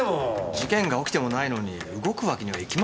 事件が起きてもないのに動くわけにはいきませんよ。